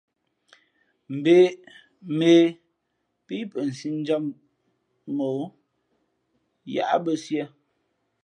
Mbᾱ ě, mᾱ ě pí pα nsíʼnjam ǒ yáʼbᾱ siē.